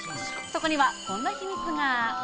そこにはこんな秘密が。